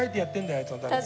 あいつのために。